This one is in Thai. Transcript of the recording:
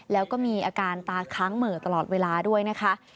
แล้วก็มีอาการตาค้างเหม่อตลอดเวลาด้วยนะคะ